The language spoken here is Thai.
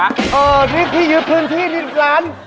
เออนี่พี่ยึดพื้นที่นี่ร้าน